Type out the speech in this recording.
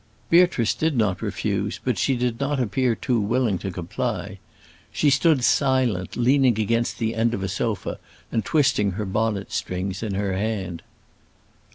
Beatrice did not refuse, but she did not appear too willing to comply. She stood silent, leaning against the end of a sofa and twisting her bonnet strings in her hand.